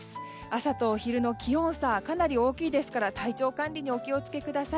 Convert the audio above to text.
朝とお昼の気温差がかなり大きいですから体調管理にお気を付けください。